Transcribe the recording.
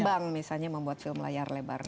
bank misalnya membuat film layar lebar